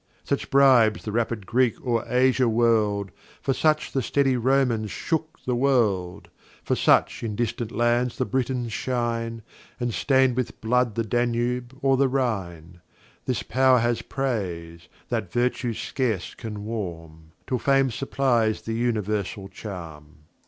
Such Bribes the rapid Greek o'er Asia whirl'd, For such the steady Romans shook the World; For such in distant Lands the Britons shine, And stain with Blood the Danube or the Rhine; This Pow'r has Praise, that Virtue scarce can warm, Till Fame supplies the universal Charm.